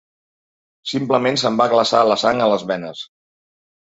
Simplement se'm va glaçar la sang a les venes.